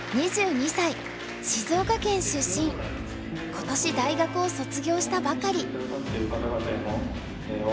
今年大学を卒業したばかり。